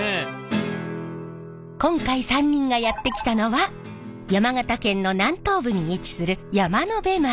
今回３人がやって来たのは山形県の南東部に位置する山辺町。